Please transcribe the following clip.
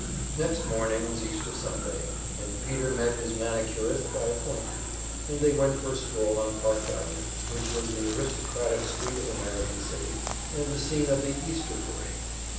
Next morning was Easter Sunday, and Peter met his manicurist by appointment, and they went for a stroll on Park Avenue, which was the aristocratic street of American City and the scene of the "Easter parade."